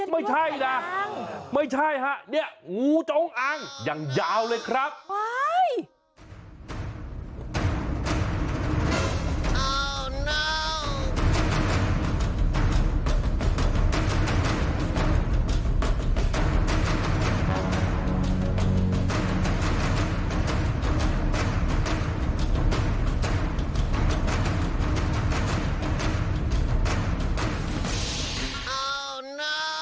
ไม่ใช่นะไม่ใช่ฮะเนี่ยงูจงอังอย่างยาวเลยครับ